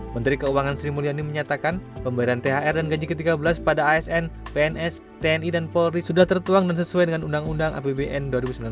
menteri keuangan sri mulyani menyatakan pembayaran thr dan gaji ke tiga belas pada asn pns tni dan polri sudah tertuang dan sesuai dengan undang undang apbn dua ribu sembilan belas